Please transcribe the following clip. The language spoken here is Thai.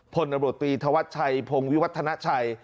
พลตำรวจตรีธวัชชัยพงวิวัฒนาชัย